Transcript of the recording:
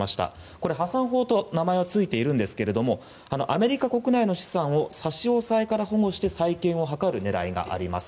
これ、破産法と名前はついているんですがアメリカ国内の資産を差し押さえから保護して再建を図る狙いがあります。